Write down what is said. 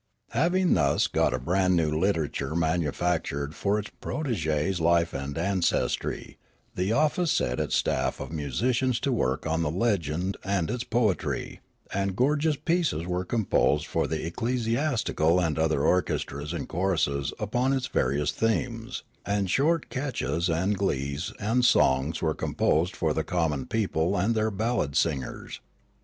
Having thus got a brand new literature manufac tured for its protege's life and ancestrj^ the oflSde set its staff of musicians to work on the legend and its poetry, and gorgeous pieces were composed for the ecclesiastical and other orchestras and choirs upon its various themes ; and short catches and glees and songs were composed for the common people and their ballad singers.